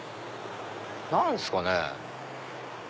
何すかね？